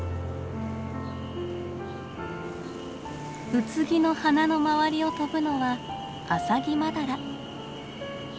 ウツギの花の周りを飛ぶのはアサギマダラ。